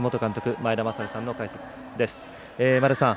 前田正治さんの解説です。